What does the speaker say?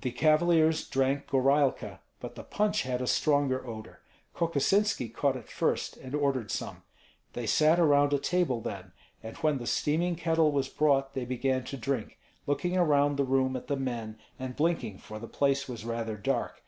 The cavaliers drank gorailka, but the punch had a stronger odor. Kokosinski caught it first, and ordered some. They sat around a table then; and when the steaming kettle was brought they began to drink, looking around the room at the men and blinking, for the place was rather dark.